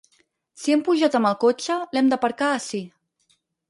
Si hem pujat amb el cotxe, l'hem d'aparcar ací.